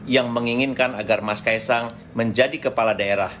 yang menginginkan agar mas kaisang menjadi kepala daerah